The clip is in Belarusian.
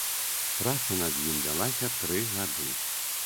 Праца над ім вялася тры гады.